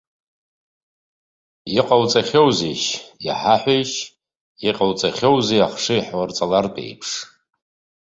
Иҟауҵахьоузеишь, иҳаҳәишь, иҟауҵахьоузеи ахшыҩ ҳурҵалартә еиԥш?